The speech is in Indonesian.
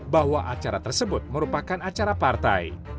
bahwa acara tersebut merupakan acara partai